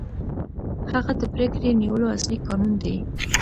هغه د پرېکړې نیولو اصلي کانون دی.